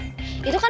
itu kan dulu tan